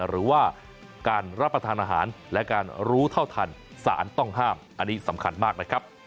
หรือว่าการรับประทานอาหารและการรู้เท่าทันสารต้องห้ามอันนี้สำคัญมากนะครับ